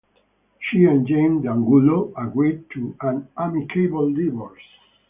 She and Jaime De Angulo agreed to an amicable divorce.